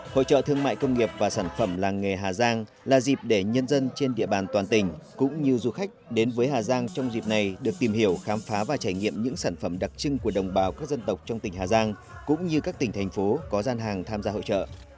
hội trợ thương mại công nghiệp và sản phẩm làng nghề hà giang là dịp để nhân dân trên địa bàn toàn tỉnh cũng như du khách đến với hà giang trong dịp này được tìm hiểu khám phá và trải nghiệm những sản phẩm đặc trưng của đồng bào các dân tộc trong tỉnh hà giang cũng như các tỉnh thành phố có gian hàng tham gia hội trợ